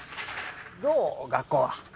どう学校は？